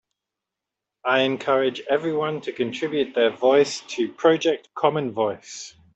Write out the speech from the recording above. I encourage everyone to contribute their voice to Project Common Voice.